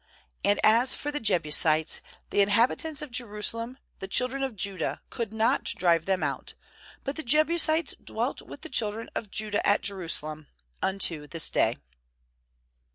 ^And as for the Jebusites, the in habitants of Jerusalem, the children of Judah could not drive them out; but the Jebusites dwelt with the chil dren of Judah at Jerusalem, unto this day.